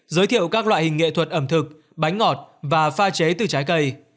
giới thiệu các loại hình nghệ thuật ẩm thực bánh ngọt và pha chế từ trái cây